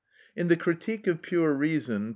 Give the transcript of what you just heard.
In the "Critique of Pure Reason," p.